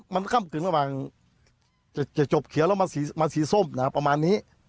มันค่ำกึ่งระหว่างจะจบเขียวแล้วมาสีส้มนะครับประมาณนี้